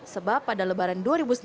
sebab pada lebaran dua ribu sembilan belas